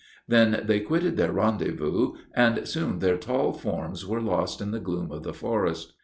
They then quitted their rendezvous, and soon their tall forms were lost in the gloom of the forest.